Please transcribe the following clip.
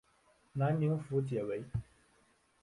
南宁府解围。